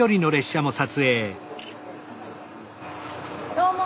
どうも。